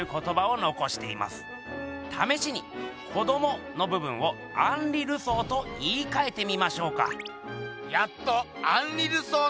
ためしに「子ども」の部分をアンリ・ルソーと言いかえてみましょうか？